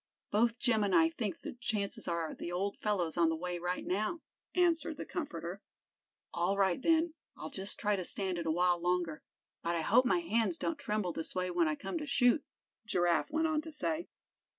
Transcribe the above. "Both Jim and I think the chances are the old fellow's on the way right now," answered the comforter. "All right, then, I'll just try to stand it a while longer; but I hope my hands don't tremble this way when I come to shoot," Giraffe went on to say.